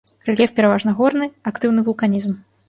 Рэльеф пераважна горны, актыўны вулканізм.